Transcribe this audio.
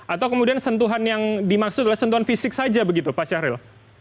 atau kemudian sentuhan yang dimaksud adalah sentuhan fisik saja begitu pak syahril